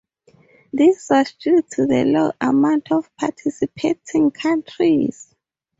This was due to the low amount of participating countries.